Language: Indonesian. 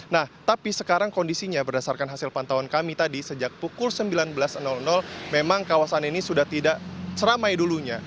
nah tapi sekarang kondisinya berdasarkan hasil pantauan kami tadi sejak pukul sembilan belas memang kawasan ini sudah tidak seramai dulunya